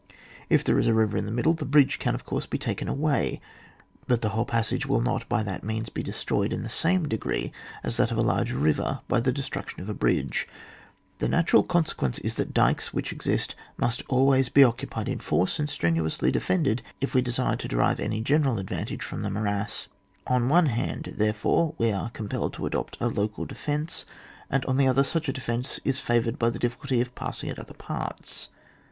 If there is a river in the middle, the bridge can of course be taken away, but the whole passage will not by that means be de stroyed in the same degree as that of a large river by the destruction of a bridge. The natural consequence is that dykes which exist must always be occupied in force and strenuously defended if we desire to derive any general advantage from the morass. On the one hand, therefore, we are compelled to adopt a local defence, and on the other, such a defence is favoured by the difficulty of passing at other parts.